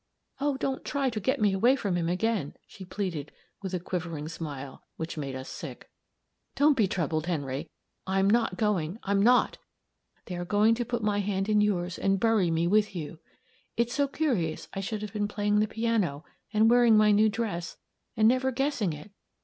"Oh, don't try to get me away from him again," she pleaded, with a quivering smile, which made us sick. "Don't be troubled, Henry. I'm not going I'm not! They are going to put my hand in yours and bury me with you. It's so curious I should have been playing the piano and wearing my new dress, and never guessing it!